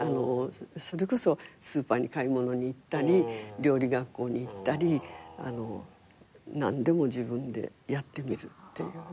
それこそスーパーに買い物に行ったり料理学校に行ったり何でも自分でやってみるっていう。